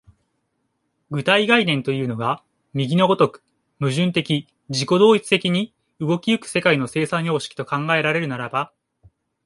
具体概念というのが右の如く矛盾的自己同一的に動き行く世界の生産様式と考えられるならば、